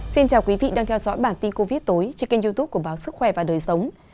xin chào quý vị đang theo dõi bản tin covid tối trên kênh youtube của báo sức khỏe và đời sống